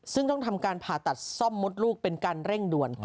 ซึ่งต้องทำการผ่าตัดซ่อมมดลูกเป็นการเร่งด่วน